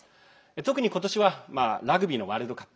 特に今年はラグビーのワールドカップ